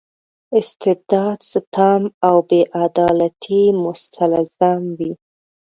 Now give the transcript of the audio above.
استبداد ستم او بې عدالتۍ مستلزم وي.